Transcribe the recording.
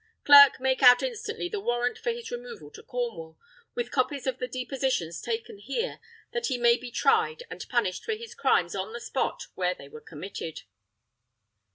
Clerk, make out instantly the warrant for his removal to Cornwall, with copies of the depositions taken here, that he may be tried and punished for his crimes on the spot where they were committed."